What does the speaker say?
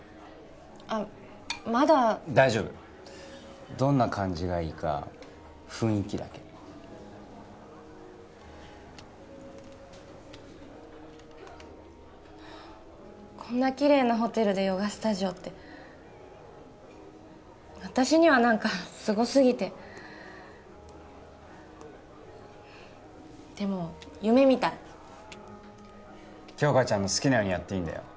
あまだ大丈夫どんな感じがいいか雰囲気だけこんなきれいなホテルでヨガスタジオって私にはなんかすごすぎてでも夢みたい杏花ちゃんの好きなようにやっていいんだよ